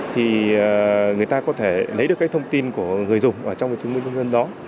thì người ta có thể lấy được cái thông tin của người dùng ở trong cái chứng minh nhân dân đó